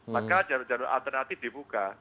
maka jalur jalur alternatif dibuka